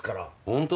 本当？